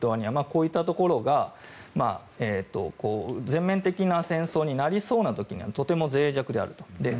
こういったところが全面的な戦争になりそうな時にはとてもぜい弱であると。